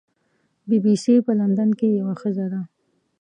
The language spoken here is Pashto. بی بي سي په لندن کې یوه ښځه ده.